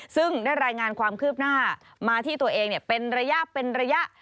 ซึ่งได้รายงานความคืบหน้ามาที่ตัวเองเป็นระยะเป็นระยะ